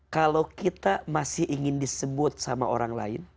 kalau kita masih ingin disebut sama orang lain